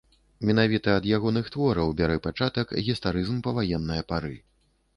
Менавіта ад ягоных твораў бярэ пачатак гістарызм паваеннае пары.